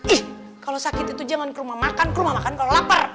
ih kalau sakit itu jangan ke rumah makan ke rumah makan kalau lapar